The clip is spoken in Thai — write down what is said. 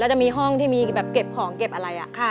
จะมีห้องที่มีแบบเก็บของเก็บอะไร